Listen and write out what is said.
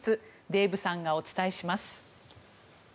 デーブさんがお伝えします。